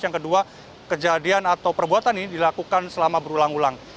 yang kedua kejadian atau perbuatan ini dilakukan selama berulang ulang